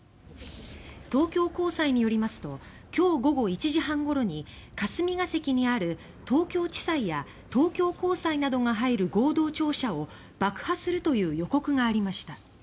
東京高裁によりますと今日午後１時半ごろに霞が関にある東京地裁や東京高裁などが入る合同庁舎を爆破するという予告がありました。